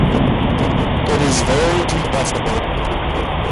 It is very compressible.